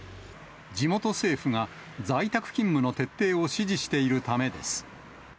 地元政府が在宅勤務の徹底を指示しているためです。